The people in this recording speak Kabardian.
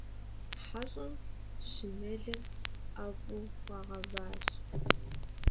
ХьэщӀэм щынэлыр ӀэфӀу хуагъэващ.